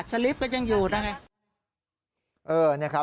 สลิปก็ยังอยู่นะ